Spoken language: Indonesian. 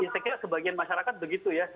saya kira sebagian masyarakat begitu ya